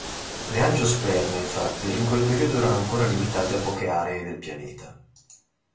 Le angiosperme, infatti, in quel periodo erano ancora limitate a poche aree del pianeta.